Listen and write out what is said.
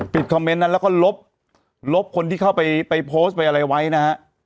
คอมเมนต์นั้นแล้วก็ลบลบคนที่เข้าไปโพสต์ไปอะไรไว้นะฮะ